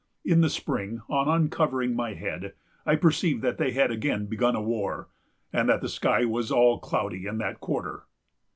In the spring, on uncovering my head, I perceived that they had again begun a war, and that the sky was all cloudy in that quarter."